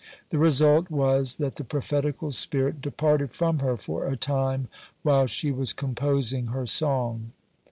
The result was that the prophetical spirit departed from her for a time while she was composing her song.